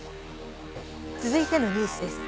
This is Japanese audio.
続いてのニュースです。